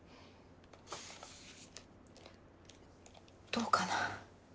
どうかな？